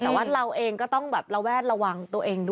แต่ว่าเราเองก็ต้องแบบระแวดระวังตัวเองด้วย